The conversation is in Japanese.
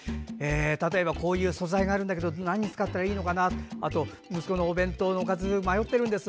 例えば、こういう素材があるけど何使ったらいいかなとか息子のお弁当のおかず迷ってるんです。